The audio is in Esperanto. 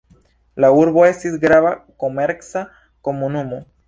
La urbo estis grava komerca komunumo.